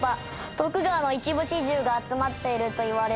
徳川の一部始終が集まっているといわれるから。